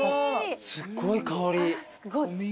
すごい香り。